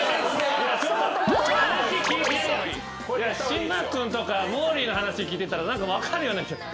島君とかもーりーの話聞いてたら何か分かるような気が。